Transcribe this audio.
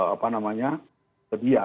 apa namanya sedia